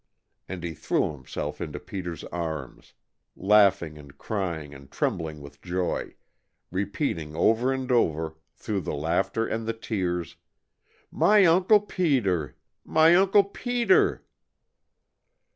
and he threw himself into Peter's arms, laughing and crying and trembling with joy, repeating over and over, through the laughter and the tears: "My Uncle Peter! My Uncle Peter!"